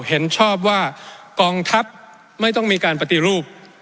เห็นชอบว่ากองทัพไม่ต้องมีการปฏิรูป